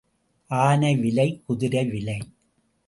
ஆனை விலை, குதிரை விலை.